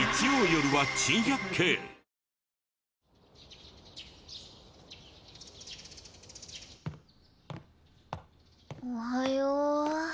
おはよう。